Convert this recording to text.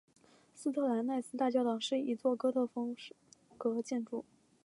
斯特兰奈斯大教堂是一座哥特式风格建筑。